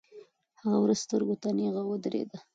هغه ورځ سترګو ته نیغه ودرېده.